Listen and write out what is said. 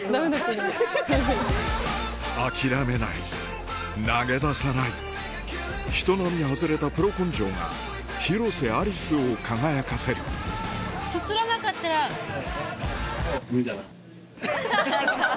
諦めない投げ出さない人並み外れたプロ根性が広瀬アリスを輝かせる無理だな。